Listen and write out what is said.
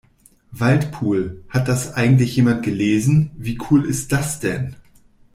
Waldpool, hat das eigentlich jemand gelesen? Wie cool ist das denn?